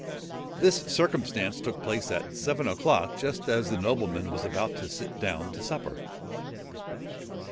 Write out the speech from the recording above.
This circumstance took place at seven o'clock, just as the nobleman was about to sit down to supper.